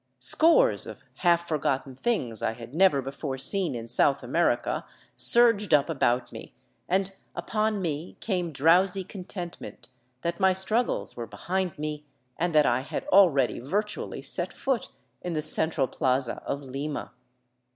Scores of half forgotten things I had never before seen in South America surged up about me, and upon me came drowsy contentment that my struggles were behind me and that I had already virtually set foot in the central plaza of Lima.